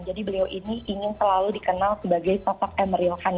jadi beliau ini ingin selalu dikenal sebagai sosok emeril khan